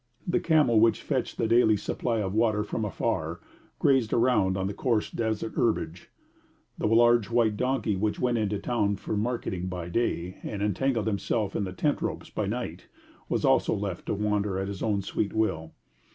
The camel, which fetched the daily supply of water from afar, grazed around on the coarse desert herbage; the large white donkey which went into the town for marketing by day, and entangled himself in the tent ropes by night, was also left to wander at his own sweet will.